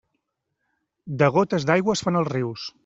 De gotes d'aigua es fan els rius.